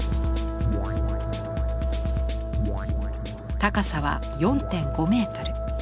高さは４．５メートル。